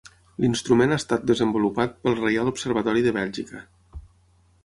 L'instrument ha estat desenvolupat pel Reial Observatori de Bèlgica.